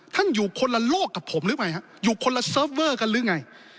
อยู่คนละโลกกับผมหรือไม่ฮะอยู่คนละเซิร์ฟเวอร์กันหรือไง